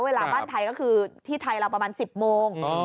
เวลาบ้านไทยก็คือที่ไทยเราประมาณ๑๐โมง